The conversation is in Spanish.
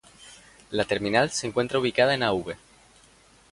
La Terminal se encuentra ubicada en Av.